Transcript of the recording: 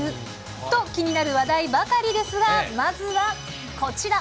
と、気になる話題ばかりですが、まずはこちら。